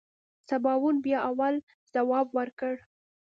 سباوون بيا اول ځواب ورکړ.